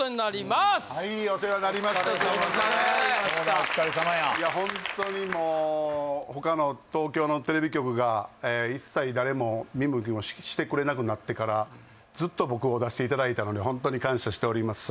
すいませーんお疲れさまやいやホントにもう他の東京のテレビ局が一切誰も見向きもしてくれなくなってからずっと僕を出していただいたのでホントに感謝しております